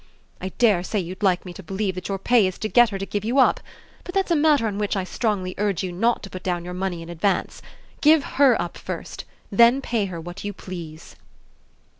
I dare say you'd like me to believe that your pay is to get her to give you up; but that's a matter on which I strongly urge you not to put down your money in advance. Give HER up first. Then pay her what you please!"